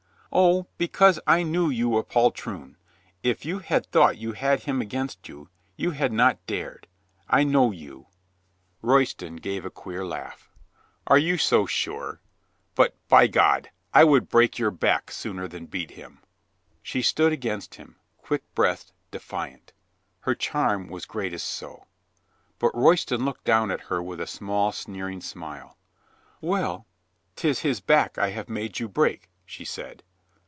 "O, because I knew you a poltroon. If you had thought you had him against you, you had not dared. I know you I" Royston gave a queer laugh. "Are you so sure? LUCINDA IS WOOED 277 .... But, by God! I would break your back sooner than beat him." She stood against him, quick breathed, defiant Her charm was greatest so. But Royston looked down at her with a small, sneering smile. "Well. *Tis his back I have made you break," she said.